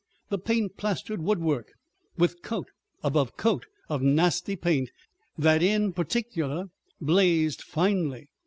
The paint plastered woodwork, with coat above coat of nasty paint, that in particular blazed finely.